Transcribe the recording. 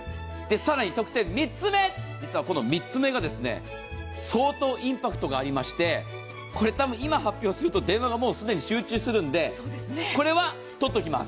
更に得点３つ目、相当インパクトがありまして今、発表すると電話が集中するのでこれはとっておきます。